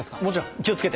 気を付けて。